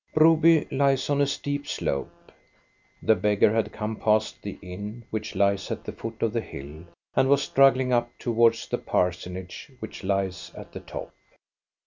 Broby lies on a steep slope. The beggar had come past the inn, which lies at the foot of the hill, and was struggling up towards the parsonage, which lies at the top.